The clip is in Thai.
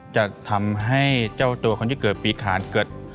จะทำให้เจ้าตัวคนที่เกิดปีขานเกิด